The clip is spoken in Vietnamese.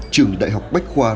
trường đại học bách khoa